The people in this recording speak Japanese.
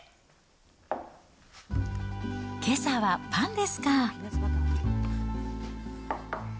けさはパンですか。